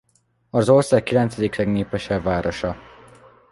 Az ország kilencedik legnépesebb városa.